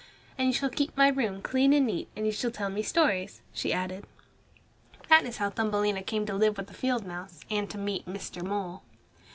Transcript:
"And you shall keep my room clean and neat, and you shall tell me stories," she added. That is how Thumbelina came to live with the field mouse and to meet Mr. Mole.